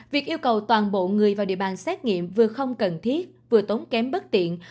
việc yêu cầu toàn bộ người vào địa bàn xét nghiệm vừa không cần thiết vừa tốn kém bất tiện